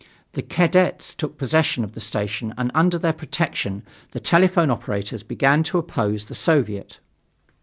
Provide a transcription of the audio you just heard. The cadets took possession of the station and under their protection the telephone operators began to oppose the Soviet.